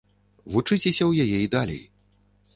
Вучыцеся ў яе і далей.